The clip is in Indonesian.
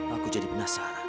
aku jadi penasaran